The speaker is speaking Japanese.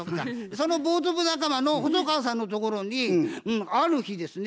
そのボート部仲間の細川さんのところにある日ですね